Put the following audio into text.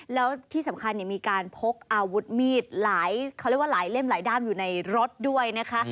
แล้วที่สำคัญมีการพกอาวุธมีดหลายเล่มหลายด้ามอยู่ในรถด้วยนะคะ